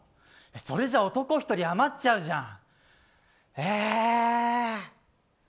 それじゃ男１人余っちゃうじゃん。